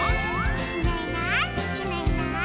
「いないいないいないいない」